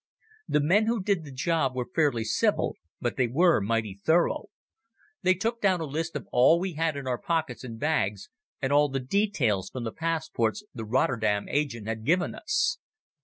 The men who did the job were fairly civil, but they were mighty thorough. They took down a list of all we had in our pockets and bags, and all the details from the passports the Rotterdam agent had given us.